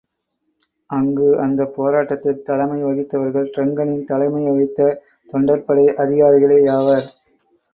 அங்கு அந்த போராட்டத்தில் தலைமை வகித்தவர்கள் டிரங்கனில் தலைமை வகித்த தொண்டர்படை அதிகாரிகளேயாவர்.